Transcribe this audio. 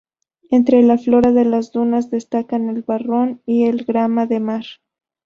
Entre la flora de las dunas destaca el barrón y el grama de mar.